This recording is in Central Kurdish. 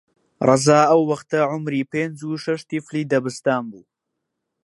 ڕەزا ئەو وەختە عومری پێنج و شەش تیفلی دەبستان بوو